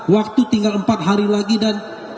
waktu tinggal empat hari lagi dan